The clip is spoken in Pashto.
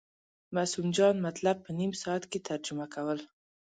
معصوم جان مطلب په نیم ساعت کې ترجمه کول.